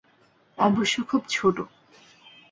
অবশ্য খুব ছোট।